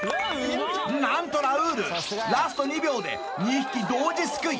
何とラウールラスト２秒で２匹同時すくい！